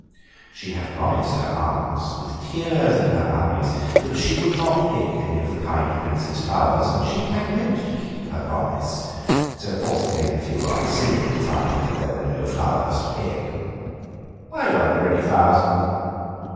She had promised her aunts, with tears in her eyes, that she would not pick any of the kind Prince's flowers, and she had meant to keep her promise, so of course it made her feel silly to find that there were no flowers to pick." "Why weren't there any flowers?"